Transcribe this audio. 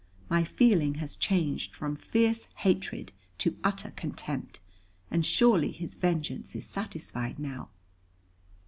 My feeling has changed from fierce hatred to utter contempt. And surely his vengeance is satisfied now."